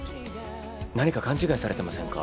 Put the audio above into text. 何か勘違いされてませんか？